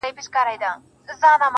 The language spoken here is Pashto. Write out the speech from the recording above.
• لکه نغمه لکه سيتار خبري ډيري ښې دي.